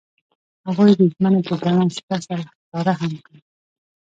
هغوی د ژمنې په بڼه شپه سره ښکاره هم کړه.